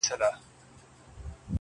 له اورنګه تر فرنګه چي راغلي -